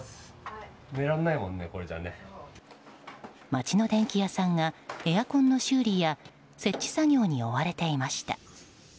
町の電気屋さんがエアコンの修理や設置作業に追われていました。